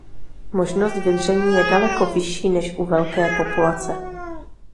Možnost vymření je daleko vyšší než u velké populace.